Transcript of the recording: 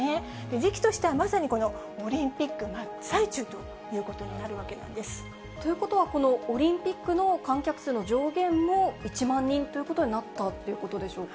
時期としてはまさにこのオリンピック真っ最中ということになるわということは、このオリンピックの観客数の上限も、１万人ということになったっていうことでしょうか。